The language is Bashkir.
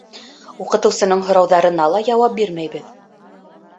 Уҡытыусының һорауҙарына ла яуап бирмәйбеҙ.